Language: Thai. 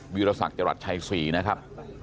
บิวราษักจรัสชัย๔นะครับ